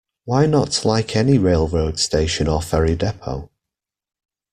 Why not like any railroad station or ferry depot.